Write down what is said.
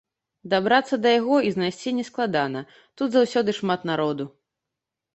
Дабрацца да яго і знайсці не складана, тут заўсёды шмат народу.